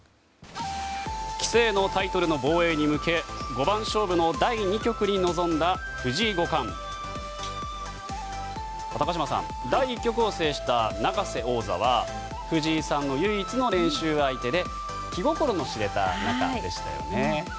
棋聖のタイトルの防衛に向け五番勝負の第２局に臨んだ藤井五冠。高島さん、第１局を制した永瀬王座は藤井さんの唯一の練習相手で気心の知れた仲でしたよね。